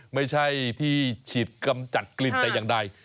ไม่ใช่ที่ฉีดกำจัดกลิ่นแต่อย่างใด